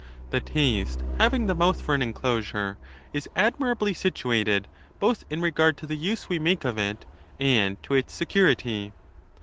The taste, having the mouth for an enclosure, is admira bly situated, both in regard to the use we make of it and to its security.